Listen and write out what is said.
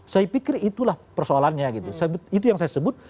saya pikir itulah persoalannya gitu itu yang saya sebut